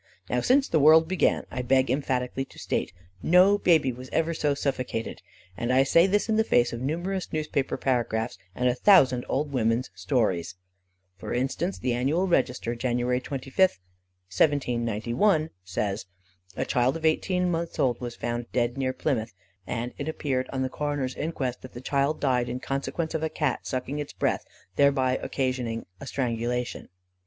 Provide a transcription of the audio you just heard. Now, since the world began, I beg emphatically to state, no baby was ever so suffocated, and I say this in the face of numerous newspaper paragraphs, and a thousand old women's stories: For instance, the "Annual Register," January 25, 1791, says: A child of eighteen months old, was found dead near Plymouth; and it appeared, on the coroners inquest, "that the child died in consequence of a Cat sucking its breath, thereby occasioning a strangulation."